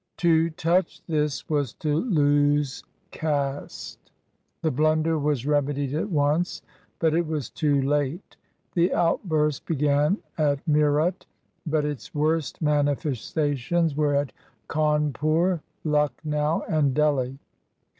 To touch this was to lose caste. The blunder was remedied at once, but it was too late. The out burst began at Meerut; but its worst manifestations were at Cawnpur, Lucknow, and Delhi.